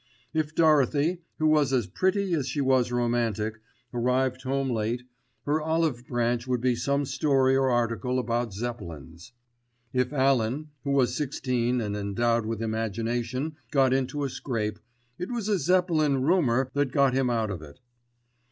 If Dorothy, who was as pretty as she was romantic, arrived home late, her olive branch would be some story or article about Zeppelins. If Alan, who was sixteen and endowed with imagination, got into a scrape, it was a Zeppelin "rumour" that got him out of it.